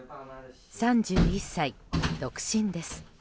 ３１歳、独身です。